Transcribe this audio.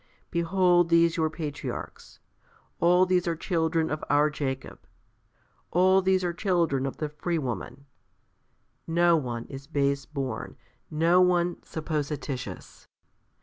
Behold these your patriarchs. All these are children of our Jacob. All these are children of the free woman20702070 Gal. iv. 31.. No one is base born, no one supposititious.